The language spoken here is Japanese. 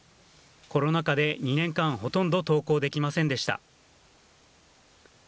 コロナ禍で２年間ほとんど登校できませんでした。